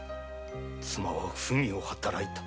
妻は不義を働いた。